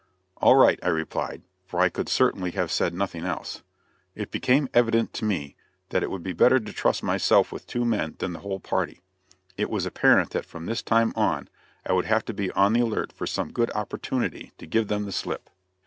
"All right," I replied, for I could certainly have said nothing else. It became evident to me that it would be better to trust myself with two men than with the whole party. It was apparent that from this time on, I would have to be on the alert for some good opportunity to give them the slip.